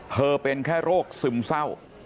เป็นแค่โรคซึมเศร้า